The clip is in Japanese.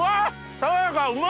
爽やかうまい！